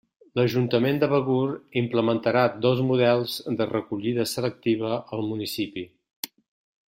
L'Ajuntament de Begur implementarà dos models de recollida selectiva al municipi.